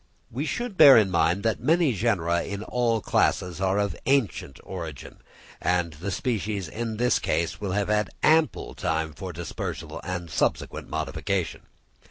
We should bear in mind that many genera in all classes are of ancient origin, and the species in this case will have had ample time for dispersal and subsequent modification.